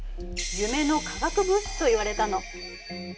夢の化学物質といわれたの。